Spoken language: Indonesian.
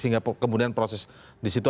sehingga kemudian proses di situ